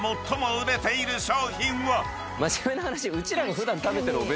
真面目な話。